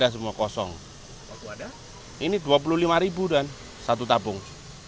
semarang harganya naik